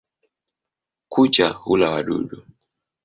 Kucha hula wadudu.